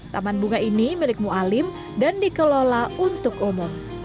taman bunga ini milik mualim dan dikelola untuk umum